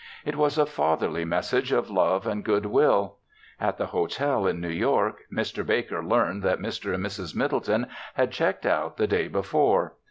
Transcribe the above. It was a fatherly message of love and good will. At the hotel in New York, Mr. Baker learned that Mr. and Mrs. Middleton had checked out the day before.